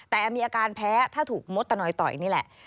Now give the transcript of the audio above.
แต่มีอาการแพ้ถ้าถูกมดตะนอยต่อยนี่แหละ